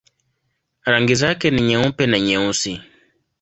Rangi zake ni nyeupe na nyeusi.